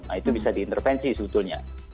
nah itu bisa diintervensi sebetulnya